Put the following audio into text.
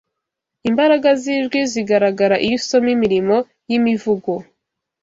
Imbaraga zijwi zigaragara iyo usoma imirimo yimivugo.